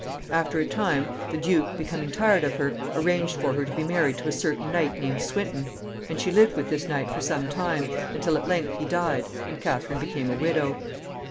After a time, the duke, becoming tired of her, arranged for her to be married to a certain knight named Swinton, and she lived with this knight for some time, until at length he died, and Catharine became a widow.